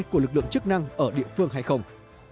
của lực lượng chức năng ở địa phương hay không